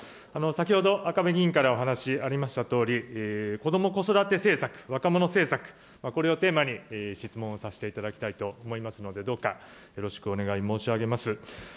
先ほど赤羽議員からお話ありましたとおり、こども子育て政策、若者政策、これをテーマに質問させていただきたいと思いますので、どうかよろしくお願い申し上げます。